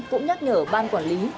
cũng nhắc nhở ban quản lý